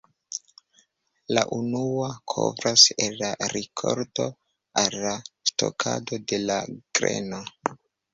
La unua kovras el la rikolto al la stokado de la greno.